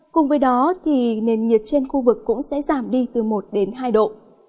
cùng với đó nền nhiệt trên khu vực cũng sẽ giảm đi từ một hai độ